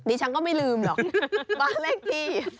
นี่ฉันก็ไม่ลืมหรอกบาเรกที่